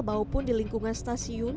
bahupun di lingkungan stasiun